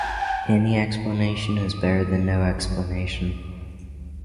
Any explanation is better than no explanation